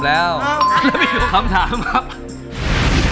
แล้วมีคำถามครับ